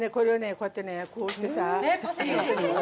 こうやってねこうしてさえっパセリをやってんの？